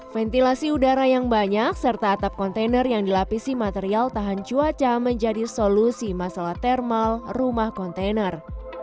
ventilasi udara yang banyak serta atap kontainer yang dilapisi material tahan cuaca menjadi solusi masalah thermal rumah kontainer